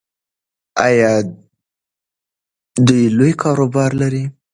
ایا دوی لوی کاروبار لري؟